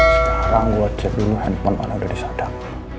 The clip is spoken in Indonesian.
sekarang gua cek dulu handphone mana udah disadap